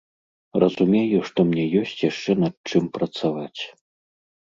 Разумею, што мне ёсць яшчэ над чым працаваць.